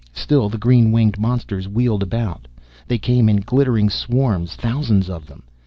Still the green winged monsters wheeled about. They came in glittering swarms, thousands of them.